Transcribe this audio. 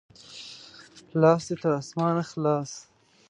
لاس دې تر اسمانه خلاص!